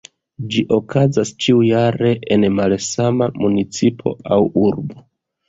Ĝi okazas ĉiujare en malsama municipo aŭ urbo.